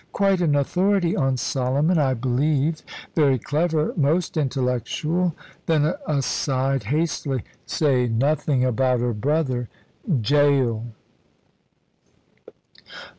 Quite an authority on Solomon, I believe very clever, most intellectual!" Then aside, hastily: "Say nothing about her brother jail!"